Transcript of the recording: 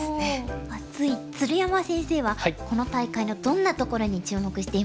鶴山先生はこの大会のどんなところに注目していますか？